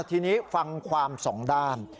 ทีนี้ฟังความสองด้าน